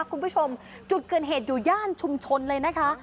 คุณผู้ชมจุดเกิดเหตุอยู่ย่านชุมชนเลยนะคะ